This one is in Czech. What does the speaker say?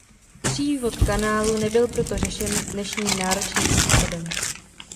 Přívod kanálu nebyl proto řešen dnešním náročným způsobem.